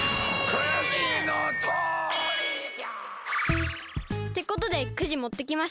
くじのとおりじゃ！ってことでくじもってきました。